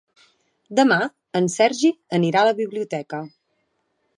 Demà en Sergi anirà a la biblioteca.